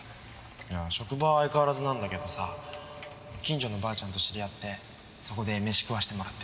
いや職場は相変わらずなんだけどさ近所のばあちゃんと知り合ってそこで飯食わしてもらってる。